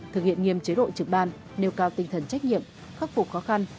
thực hiện nghiêm chế độ trực ban nêu cao tinh thần trách nhiệm khắc phục khó khăn